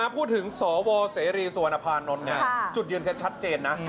พูดถึงศววใส่หรี่สวรภานนท์จุดยึดแค่ชัดเจนนะ